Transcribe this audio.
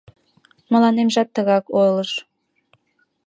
Мыланемжат тыгак ойлыш.